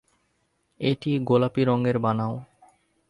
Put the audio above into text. এটি গোলাপী রঙের বানাও।